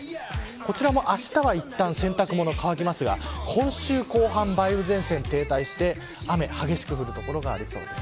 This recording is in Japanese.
こちらもあしたはいったん洗濯物は乾きますが今週後半、梅雨前線が停滞して雨、激しく降る所がありそうです。